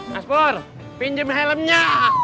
mas pur pinjem helmnya